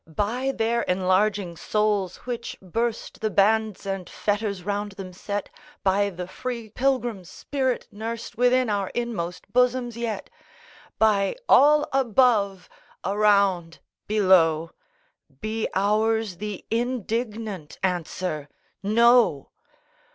By their enlarging souls, which burst The bands and fetters round them set; By the free Pilgrim spirit nursed Within our inmost bosoms, yet, By all above, around, below, Be ours the indignant answer, No!